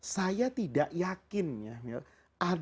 saya tidak yakinnya